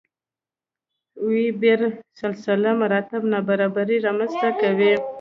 وېبر سلسله مراتب نابرابري رامنځته کوي.